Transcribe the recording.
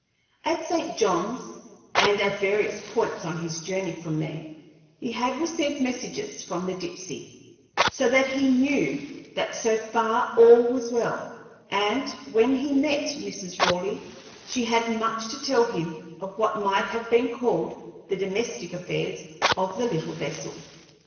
At St. John's, and at various points on his journey from there, he had received messages from the Dipsey, so that he knew that so far all was well, and when he met Mrs. Raleigh she had much to tell him of what might have been called the domestic affairs of the little vessel.